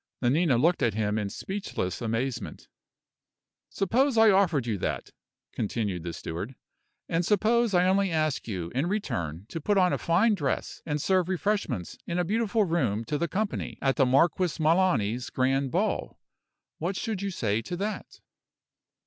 Nanina looked at him in speechless amazement. "Suppose I offered you that?" continued the steward. "And suppose I only ask you in return to put on a fine dress and serve refreshments in a beautiful room to the company at the Marquis Melani's grand ball? What should you say to that?"